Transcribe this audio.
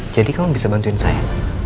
jadi kamu bisa bantuin saya